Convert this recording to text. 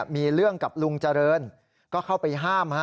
มีเรื่องกับลุงเจริญก็เข้าไปห้าม